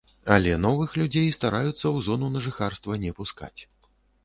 Але новых людзей стараюцца ў зону на жыхарства не пускаць.